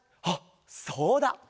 あっそうだ！